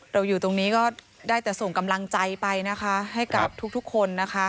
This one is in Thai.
อยู่ตรงนี้ก็ได้แต่ส่งกำลังใจไปนะคะให้กับทุกคนนะคะ